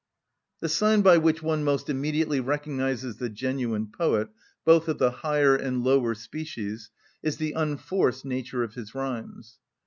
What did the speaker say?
The sign by which one most immediately recognises the genuine poet, both of the higher and lower species, is the unforced nature of his rhymes.